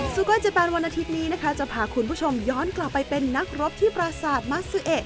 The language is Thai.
โก้เจแปนวันอาทิตย์นี้นะคะจะพาคุณผู้ชมย้อนกลับไปเป็นนักรบที่ปราสาทมัสซูเอ